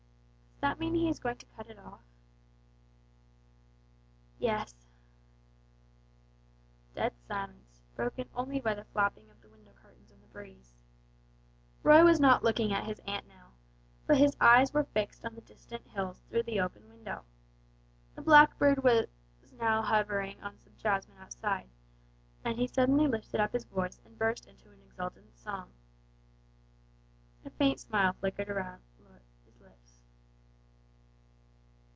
"Does that mean he is going to cut it off?" "Yes." Dead silence, broken only by the flapping of the window curtains in the breeze. Roy was not looking at his aunt now, but his eyes were fixed on the distant hills through the open window. A blackbird now hovering on some jasmine outside, suddenly lifted up his voice and burst into an exultant song. A faint smile flickered about Roy's lips.